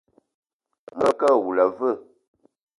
Angakë awula a veu?